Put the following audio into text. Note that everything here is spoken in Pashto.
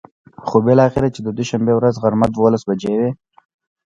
خو بلااخره چې د دوشنبې ورځ غرمه ،دولس بچې وې.